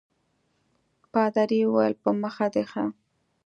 پادري وویل په مخه دي ښه.